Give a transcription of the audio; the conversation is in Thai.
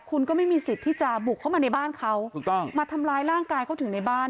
คุณก็ไม่มีสิทธิ์ที่จะบุกเข้ามาในบ้านเขาถูกต้องมาทำร้ายร่างกายเขาถึงในบ้าน